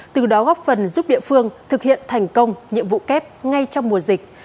từ đó góp phần giúp địa phương thực hiện thành công nhiệm vụ kép ngay trong mùa dịch